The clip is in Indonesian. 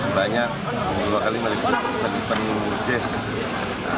banyak lokalimu penyanyi jazz